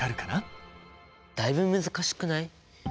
だいぶ難しくない？